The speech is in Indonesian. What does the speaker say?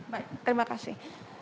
baik terima kasih